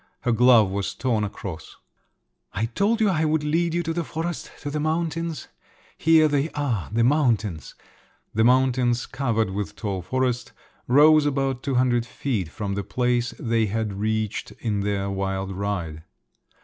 Her glove was torn across. "I told you I would lead you to the forest, to the mountains…. Here they are, the mountains!" The mountains, covered with tall forest, rose about two hundred feet from the place they had reached in their wild ride.